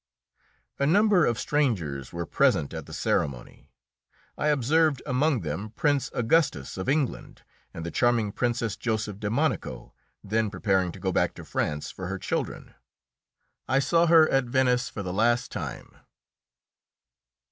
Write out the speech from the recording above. A number of strangers were present at the ceremony. I observed among them Prince Augustus of England, and the charming Princess Joseph de Monaco, then preparing to go back to France for her children. I saw her at Venice for the last time.